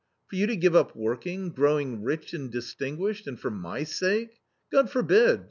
For you to give up working, growing rich and distinguished — and for my sake ! God forbid